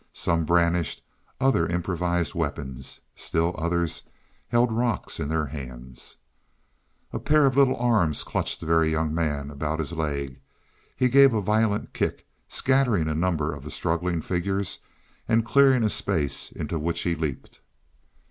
Some brandished other improvised weapons; still others held rocks in their hands. A little pair of arms clutched the Very Young Man about his leg; he gave a violent kick, scattering a number of the struggling figures and clearing a space into which he leaped.